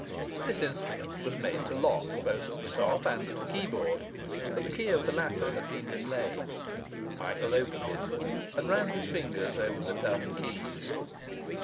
This instrument was made to lock both at the top and at the keyboard, but the key of the latter had been mislaid. Michael opened it and ran his fingers over the dumb keys.